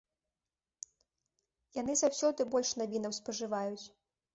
Яны заўсёды больш навінаў спажываюць.